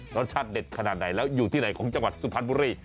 รสชาติเด็ดขนาดไหนแล้วอยู่ที่ไหนของจังหวัดสุพรรณบุรี